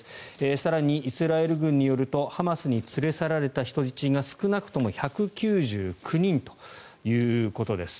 更に、イスラエル軍によるとハマスに連れ去られた人質が少なくとも１９９人ということです。